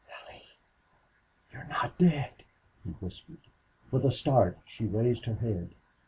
"Allie you're not dead?" he whispered. With a start she raised her head.